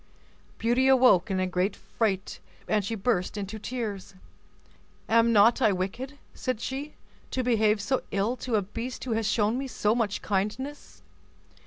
Beauty awoke in a great fright, and she burst into tears. "Am not I wicked," said she, "to behave so ill to a beast who has shown me so much kindness?